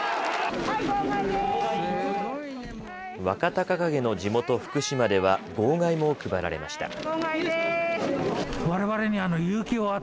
若隆景の地元、福島では号外も配られました。